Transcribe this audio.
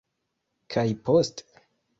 Kaj poste?